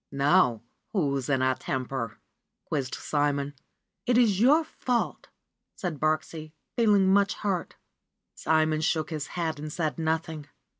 ^^Now, who's in a temper?" quizzed Simon. 'Tt is your fault/' said Birksie, feeling much hurt. Simon shook his head and said nothing.